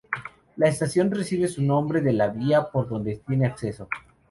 La estación recibe su nombre de la vía por donde tiene acceso.